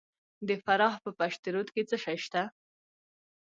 د فراه په پشت رود کې څه شی شته؟